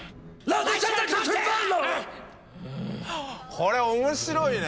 これ面白いね。